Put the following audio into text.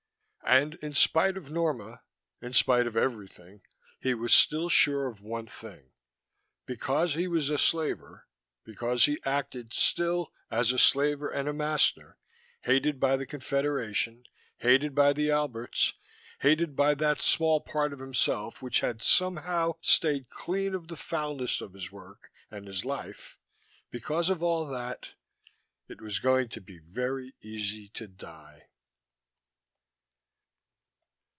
And, in spite of Norma, in spite of everything, he was still sure of one thing. Because he was a slaver, because he acted, still, as a slaver and a master, hated by the Confederation, hated by the Alberts, hated by that small part of himself which had somehow stayed clean of the foulness of his work and his life, because of all that.... It was going to be very easy to die.